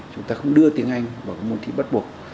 chúng ta không đưa tiếng anh vào cái môn thi bắt buộc